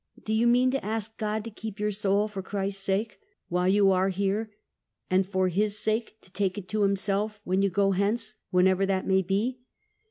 Do you mean to ask God to keep your soul, for Christ's sake, while you are here; and, for His sake, to take it to Himself when you go hence, whenever that may be?"